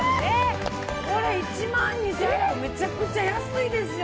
これ１万２８００めちゃくちゃ安いですよ。